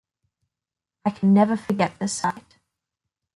I can never forget the sight.